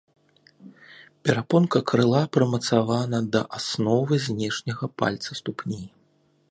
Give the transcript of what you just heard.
Перапонка крыла прымацавана да асновы знешняга пальца ступні.